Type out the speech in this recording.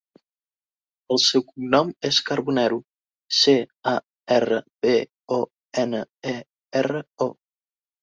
El seu cognom és Carbonero: ce, a, erra, be, o, ena, e, erra, o.